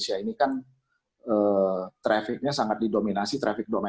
supaya escal suffered dan dilepas sebenarnya